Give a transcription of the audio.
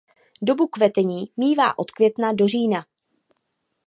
Dobu kvetení mívá od května do října.